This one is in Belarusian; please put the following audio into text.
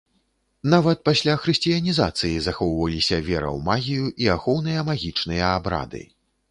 Нават пасля хрысціянізацыі захоўваліся вера ў магію і ахоўныя магічныя абрады.